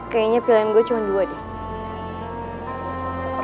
kayaknya pilihan gue cuma dua deh